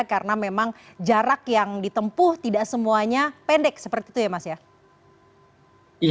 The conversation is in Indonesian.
karena memang jarak yang ditempuh tidak semuanya pendek seperti itu ya mas ya